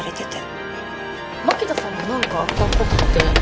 槙田さんもなんかあったっぽくって。